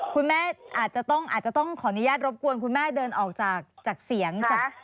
คุณแม่อาจจะต้องขออนุญาตรบกวนคุณแม่เดินออกจากเสียง